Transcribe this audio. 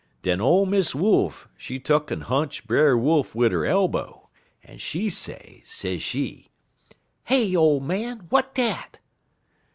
_ Den ole Miss Wolf, she tuck'n hunch Brer Wolf wid 'er elbow, en she say, sez she: "'Hey, ole man! w'at dat?"